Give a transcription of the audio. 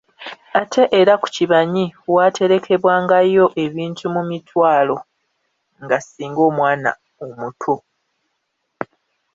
Ate era ku kibanyi waaterekebwangayo ebintu mu mitwalo nga singa omwana omuto